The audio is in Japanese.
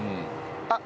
あっ！